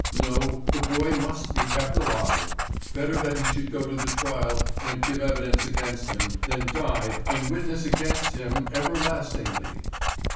No, the boy must be kept alive. Better that he should go to the trial and give evidence against him, than die and witness against him everlastingly.